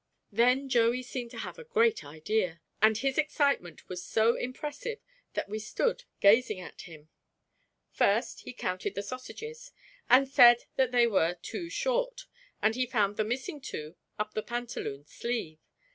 Then Joey seemed to have a great idea, and his excitement was so impressive that we stood gazing at him. First, he counted the sausages, and said that they were two short, and he found the missing two up the pantaloon's sleeve.